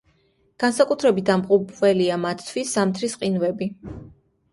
განსაკუთრებით დამღუპველია მათთვის ზამთრის ყინვები.